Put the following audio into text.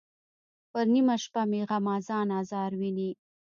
پر نیمه شپه مې غمازان آزار ویني.